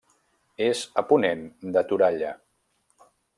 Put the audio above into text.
És a ponent de Toralla.